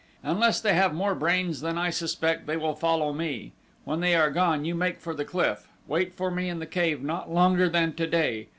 Unless they have more brains than I suspect they will follow me. When they are gone you make for the cliff. Wait for me in the cave not longer than today.